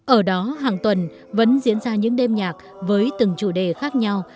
ở đó hàng tuần vẫn diễn ra những đêm nhạc với từng chủ đề khác nhau